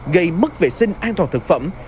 gây mất vệ sinh an toàn thực phẩm